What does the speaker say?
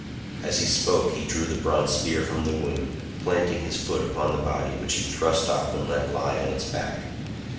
As he spoke he drew the bronze spear from the wound, planting his foot upon the body, which he thrust off and let lie on its back.